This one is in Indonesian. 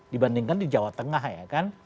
dibandingkan di jawa tengah ya kan